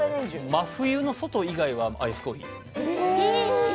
真冬の外以外はアイスコーヒーです。